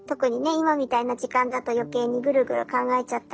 今みたいな時間だと余計にぐるぐる考えちゃったり。